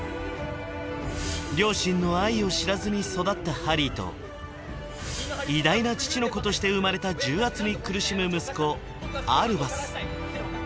両親の愛を知らずに育ったハリーと偉大な父の子として生まれた重圧に苦しむ息子・アルバス